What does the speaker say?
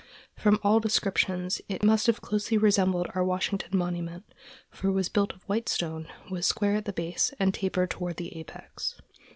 From all descriptions, it must have closely resembled our Washington monument; for it was built of white stone, was square at the base, and tapered toward the apex.